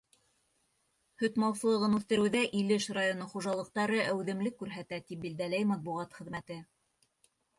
Һөт малсылығын үҫтереүҙә Илеш районы хужалыҡтары әүҙемлек күрһәтә, тип билдәләй матбуғат хеҙмәте.